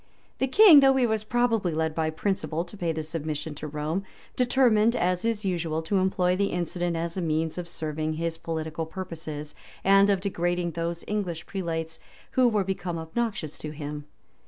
The king, though he was probably led by principle to pay this submission to Rome, determined, as is usual, to employ the incident as a means of serving his political purposes, and of degrading those English prelates, who were become obnoxious to him.